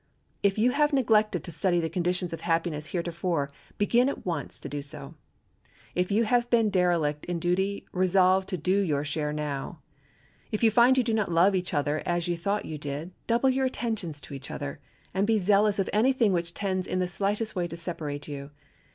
If you have neglected to study the conditions of happiness heretofore begin at once to do so. If you have been derelict in duty resolve to do your share now. If you find you do not love each other as you thought you did double your attentions to each other, and be zealous of any thing which tends in the slightest way to separate you.